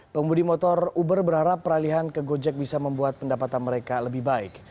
pengemudi motor uber berharap peralihan ke gojek bisa membuat pendapatan mereka lebih baik